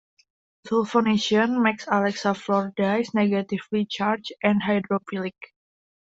Sulfonation makes Alexa Fluor dyes negatively charged and hydrophilic.